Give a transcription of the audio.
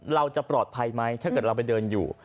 เราจะปลอดภัยไหมถ้าเกิดเราไปเดินอยู่